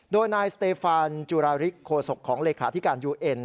โดยนายสเตฟานจุราริกโคศกของเลขาธิการยูเอ็น